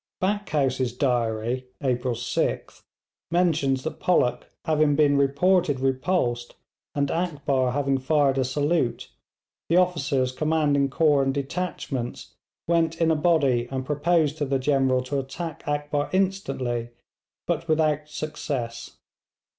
Backhouse's diary (April 6th) mentions that Pollock having been reported repulsed, and Akbar having fired a salute, the officers commanding corps and detachments went in a body and proposed to the General to attack Akbar instantly, but without success.